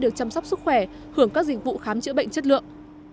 được chăm sóc sức khỏe hưởng các dịch vụ khám chữa bệnh chất lượng